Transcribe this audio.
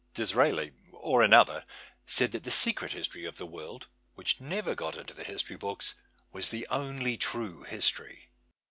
Disraeli, or another, said that the secret history of the world, which never got into the history books, was the only true history.